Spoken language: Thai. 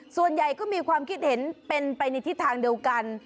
ส่วนใหญ่ก็มีความคิดเห็นเป็นไปในทิศทางเดียวกัน